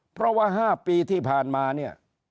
เพราะว่า๕ปีที่ผ่านมาเนี่ย